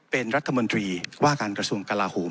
เป็นรัฐมนตรีว่าการกระทรวงกลาโหม